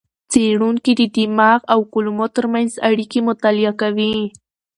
څېړونکي د دماغ او کولمو ترمنځ اړیکې مطالعه کوي.